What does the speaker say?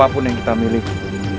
apapun yang kita miliki